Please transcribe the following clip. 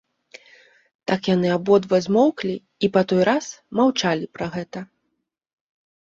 Так яны абодва змоўклі і па той раз маўчалі пра гэта.